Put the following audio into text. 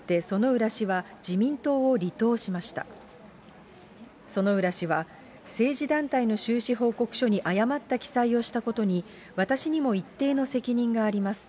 薗浦氏は、政治団体の収支報告書に誤った記載をしたことに、私にも一定の責任があります。